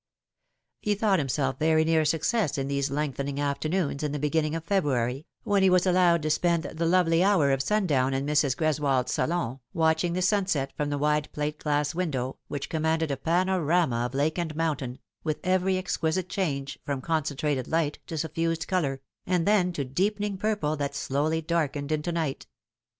He thought himself very near success in these lengthening afternoons in the beginning of February, when he was allowed to spend the lovely hour of sundown in Mrs. Greswold's salon, watching the sunset from the wide plate glass window, which commanded a panorama of lake and mountain, with every exquisite change from concentrated light to suffused colour, and then to deepening purple that slowly darkened into night.